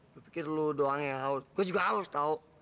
gue pikir lu doang yang haus gue juga haus tau